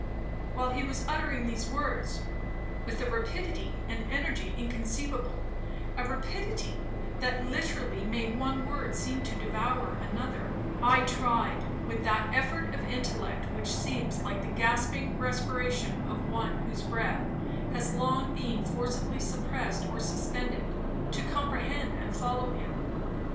While he was uttering these words, with a rapidity and energy inconceivable, (a rapidity that literally made one word seem to devour another), I tried, with that effort of intellect which seems like the gasping respiration of one whose breath has long been forcibly suppressed or suspended, to comprehend and follow him.